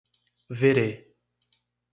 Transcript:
Verê